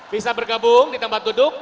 bisa bergabung di tempat duduk